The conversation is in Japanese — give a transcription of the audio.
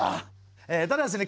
ただですね